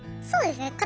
そうですね。